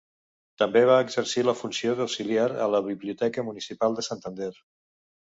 També va exercir la funció d'auxiliar a la Biblioteca Municipal de Santander.